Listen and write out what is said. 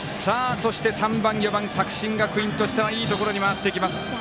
そして、３、４番作新学院としてはいいところに回ってきます。